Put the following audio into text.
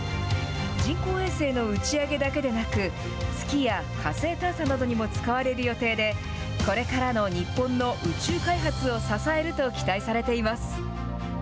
人工衛星の打ち上げだけでなく、月や火星探査などにも使われる予定で、これからの日本の宇宙開発を支えると期待されています。